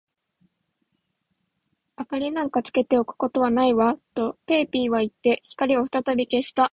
「明りなんかつけておくことはないわ」と、ペーピーはいって、光をふたたび消した。